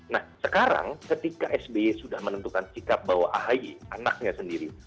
nah sekarang ketika sby sudah menentukan sikap bahwa ahy anaknya sendiri